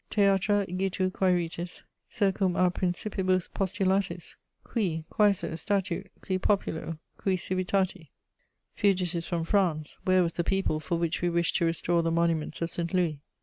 Theatra igitur quæritis, circum a principibus postulatis? Cui, quæso, statut, cui populo, cui civitati?" Fugitives from France, where was the people for which we wished to restore the monuments of St. Louis?